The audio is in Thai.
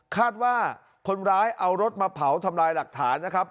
คาดว่าคนร้ายเอารถมาเผาทำลายหลักฐานนะครับ